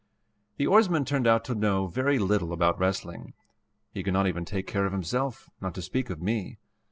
The oarsman turned out to know very little about wrestling. He could not even take care of himself, not to speak of me.